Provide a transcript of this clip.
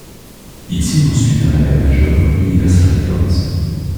Ils signent ensuite à un label major, Universal Records.